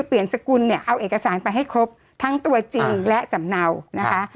สกุลเนี่ยเอาเอกสารไปให้ครบทั้งตัวจริงและสำเนานะคะ